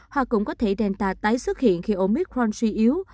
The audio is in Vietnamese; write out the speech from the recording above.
hoặc cũng có thể delta tái xuất hiện khi omicron suy yếu